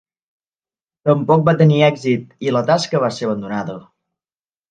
Tampoc va tenir èxit, i la tasca va ser abandonada.